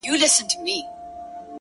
• چي یې وږي خپل اولاد نه وي لیدلي ,